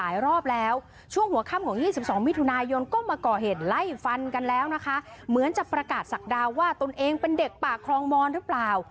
ยังเป็นเด็กปากคลองมอนหรือเปล่า